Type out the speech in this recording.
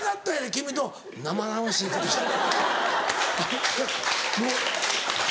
「君と生々しいことしたい」。